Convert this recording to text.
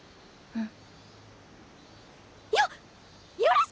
うん！